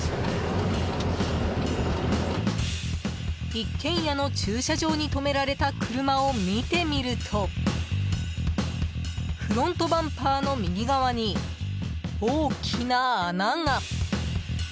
一軒家の駐車場に止められた車を見てみるとフロントバンパーの右側に大きな穴が。